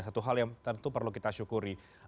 satu hal yang tentu perlu kita syukuri